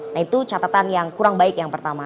nah itu catatan yang kurang baik yang pertama